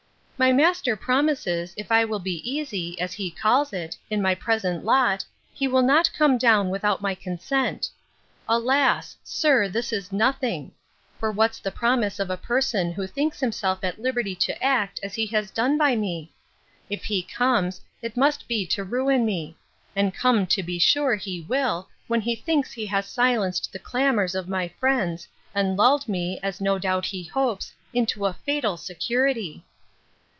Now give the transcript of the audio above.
'My master promises, if I will be easy, as he calls it, in my present lot, he will not come down without my consent. Alas! sir, this is nothing: For what's the promise of a person who thinks himself at liberty to act as he has done by me? If he comes, it must be to ruin me; and come to be sure he will, when he thinks he has silenced the clamours of my friends, and lulled me, as no doubt he hopes, into a fatal security.